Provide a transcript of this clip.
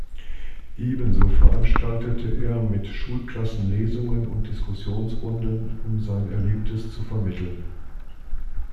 Ebenso veranstaltete er mit Schulklassen Lesungen und Diskussionsrunden, um sein Erlebtes zu vermitteln.